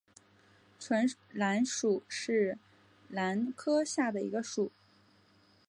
唇兰属是兰科下的一个属。